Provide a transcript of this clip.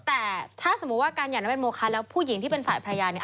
แต่ถ้าสมมุติว่าการหย่านั้นเป็นโมคะแล้วผู้หญิงที่เป็นฝ่ายภรรยาเนี่ย